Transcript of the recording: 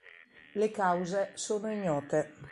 Le cause sono ignote.